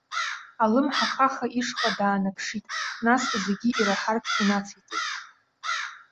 Алымҳа хаха ишҟа даанаԥшит, нас, зегьы ираҳартә, инациҵеит.